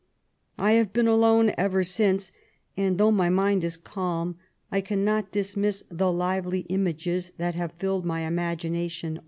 I have been alone ever since ; and though my mind is calm, I cannot dlamifiCL the lively images that have filled my iixi8Lgm»AAOTi«X!